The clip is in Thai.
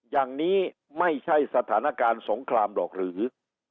อย่างนี้ไม่ใช่สถานการณ์สงครามหรอกหรือ